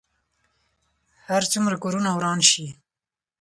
هر څومره کورونه وران شي.